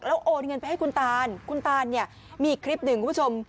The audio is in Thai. โอนเงินไปให้คุณตานคุณตานเนี่ยมีคลิปหนึ่งคุณผู้ชม